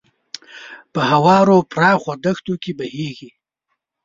په هوارو پراخو دښتو کې بهیږي.